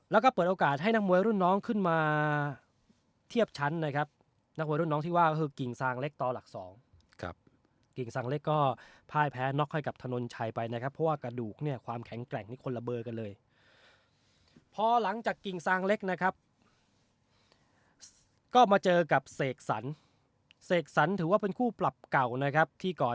แล้วก็เปิดโอกาสให้นักมวยรุ่นน้องขึ้นมาเทียบชั้นนะครับนักมวยรุ่นน้องที่ว่าก็คือกิ่งซางเล็กต่อหลักสองครับกิ่งซางเล็กก็พ่ายแพ้น็อกให้กับถนนชัยไปนะครับเพราะว่ากระดูกเนี่ยความแข็งแกร่งนี่คนละเบอร์กันเลยพอหลังจากกิ่งซางเล็กนะครับก็มาเจอกับเสกสรรเสกสรรถือว่าเป็นคู่ปรับเก่านะครับที่ก